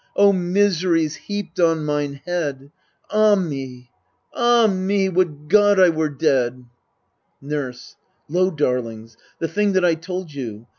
O miseries heaped on mine head ! Ah me ! ah me ! would God I were dead K Nurse. Lo, darlings, the thing that I told you